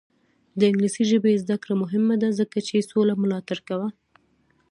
د انګلیسي ژبې زده کړه مهمه ده ځکه چې سوله ملاتړ کوي.